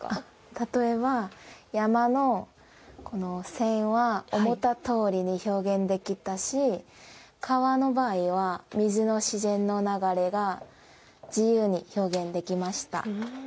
例えば、山の線は思ったとおりに表現できたし川の場合は水の自然の流れが自由に表現できました。